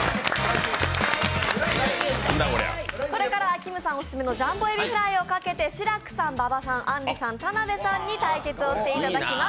これからきむさんオススメのジャンボ海老フライをかけて志らくさん、馬場さん、あんりさん、田辺さんに対決をしていただきます。